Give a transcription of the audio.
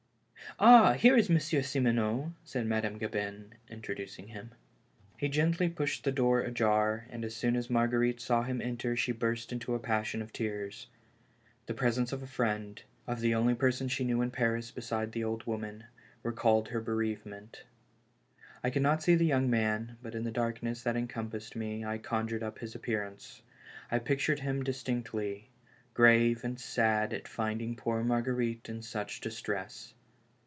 " Ah ! here is Monsieur Simoneau," said Madame Gabin, introducing him. He gently pushed the door ajar, and as soon as Mar guerite saw him enter she burst into a passion of tears. THE LAST HOPE. 251 The presence of a friend, of the only person she knew in Paris besides the old woman, recalled her bereavement. I could not see the young man, but in the darkness that encompassed me, I conjured up his appearance. I pictured him distinctly, grave and sad at finding poor Marguerite in such distress.